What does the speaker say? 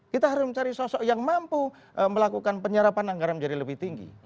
kita harus mencari sosok yang mampu melakukan penyerapan anggaran menjadi lebih tinggi